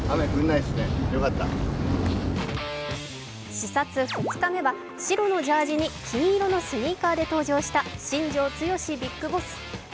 視察２日目は白のジャージに金色のスニーカーで登場した新庄剛志